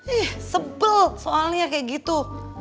ih sebel soalnya kayak gitu